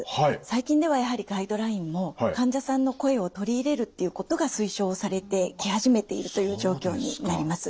最近ではやはりガイドラインも患者さんの声を取り入れるっていうことが推奨されてき始めているという状況になります。